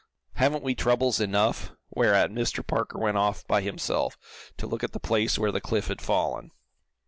Haven't we troubles enough?" whereat Mr. Parker went off by himself, to look at the place where the cliff had fallen.